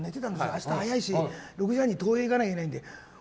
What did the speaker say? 明日早いし６時半に東映行かないとなんでと。